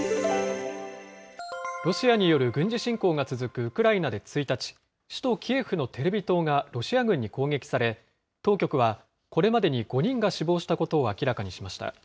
ロシアによる軍事侵攻が続くウクライナで１日、首都キエフのテレビ塔がロシア軍に攻撃され、当局は、これまでに５人が死亡したことを明らかにしました。